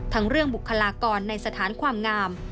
เรื่องบุคลากรในสถานความงาม